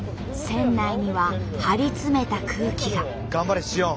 船内には張り詰めた空気が。